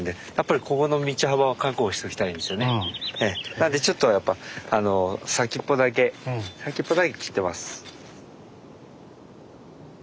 なんでちょっとやっぱ先っぽだけ先っぽだけ切ってます。